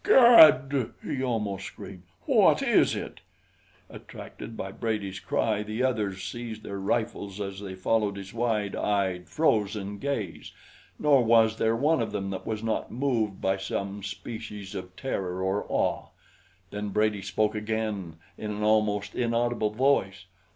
"Gawd!" he almost screamed. "What is it?" Attracted by Brady's cry the others seized their rifles as they followed his wide eyed, frozen gaze, nor was there one of them that was not moved by some species of terror or awe. Then Brady spoke again in an almost inaudible voice.